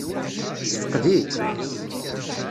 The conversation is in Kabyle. Tessefqed-itt?